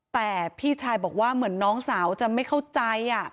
แต่พี่ชายบอกว่าเหมือนน้องสาวจะไม่เข้าใจ